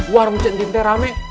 warung cendinti rame